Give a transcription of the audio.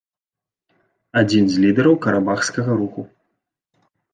Адзін з лідараў карабахскага руху.